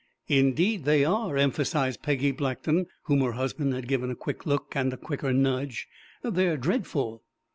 "Indeed they are," emphasized Peggy Blackton, whom her husband had given a quick look and a quicker nudge, "They're dreadful!"